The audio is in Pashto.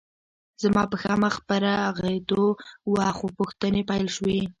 زما پښه مخ په روغېدو وه خو پوښتنې پیل شوې